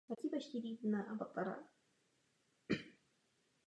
Na známce je vyobrazena věž a okolní krajina.